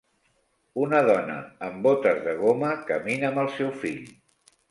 Una dona en botes de goma camina amb el seu fill.